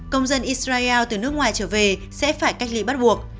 công dân israel từ nước ngoài trở về sẽ phải cách ly bắt buộc